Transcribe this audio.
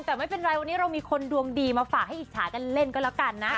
แต่ไม่เป็นไรวันนี้เรามีคนดวงดีมาฝากให้อิจฉากันเล่นก็แล้วกันนะ